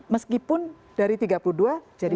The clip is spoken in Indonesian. meskipun dari tiga puluh dua jadi dua puluh lima